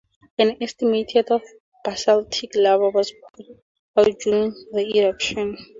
An estimated of basaltic lava was poured out during the eruption.